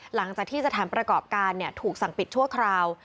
หลังจากที่สถานประกอบการถูกสั่งปิดชั่วคราว